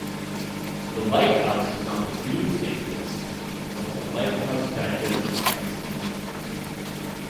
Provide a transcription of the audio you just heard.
The lighthouse is on the "Doomsday List" of the "Lighthouse Digest" magazine.